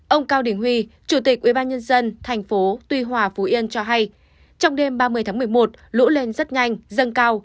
ông cao đình huy chủ tịch ubnd tp tuy hòa phú yên cho hay trong đêm ba mươi tháng một mươi một lũ lên rất nhanh dâng cao